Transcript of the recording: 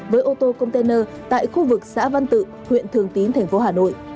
với ô tô container tại khu vực xã văn tự huyện thường tín thành phố hà nội